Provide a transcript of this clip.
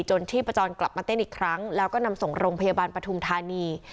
ชีพจรกลับมาเต้นอีกครั้งแล้วก็นำส่งโรงพยาบาลปฐุมธานี